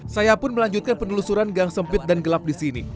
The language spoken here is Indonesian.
saya pun melanjutkan penelusuran gang sempit dan gelap disini